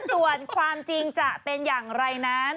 ส่วนความจริงจะเป็นอย่างไรนั้น